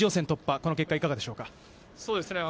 この結果、いかがでしょうか。